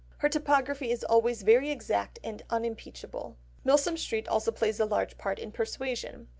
Her topography is always very exact and unimpeachable. Milsom Street also plays a large part in Persuasion.